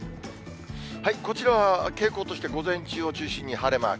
こちらは傾向として、午前中を中心に晴れマーク。